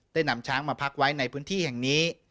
นำช้างมาพักไว้ในพื้นที่แห่งนี้